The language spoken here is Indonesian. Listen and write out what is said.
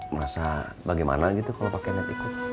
merasa bagaimana gitu kalo pake net ikut